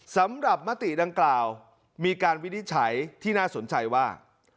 มติดังกล่าวมีการวินิจฉัยที่น่าสนใจว่า